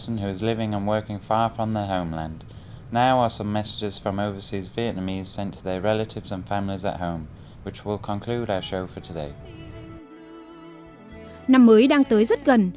năm mới đang tới rất gần